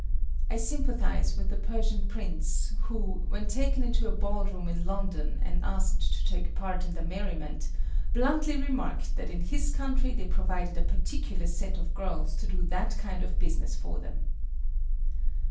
I sympathize with the Persian prince, who, when taken into a ball room in London and asked to take part in the merriment, bluntly remarked that in his country they provided a particular set of girls to do that kind of business for them.